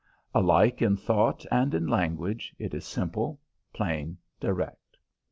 Alike in thought and in language it is simple, plain, direct.